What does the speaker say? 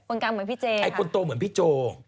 กลางเหมือนพี่เจไอ้คนโตเหมือนพี่โจ